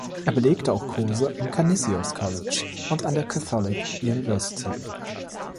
Er belegte auch Kurse am Canisius College und an der Catholic University.